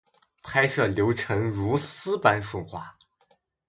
拍摄流程如丝般顺滑